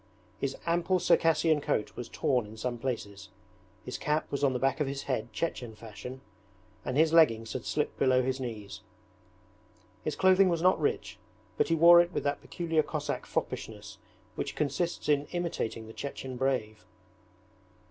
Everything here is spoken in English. His ample Circassian coat was torn in some places, his cap was on the back of his head Chechen fashion, and his leggings had slipped below his knees. His clothing was not rich, but he wore it with that peculiar Cossack foppishness which consists in imitating the Chechen brave.